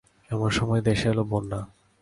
এমন সময়ে দেশে এল বন্যা।